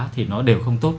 thì nó đều không tốt